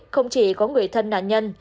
không chỉ có người thân nạn nhân